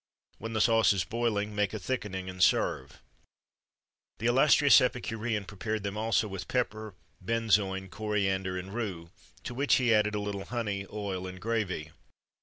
When the sauce is boiling, make a thickening, and serve.[XXIII 104] The illustrious epicurean prepared them also with pepper, benzoin, coriander and rue, to which he added a little honey, oil, and gravy.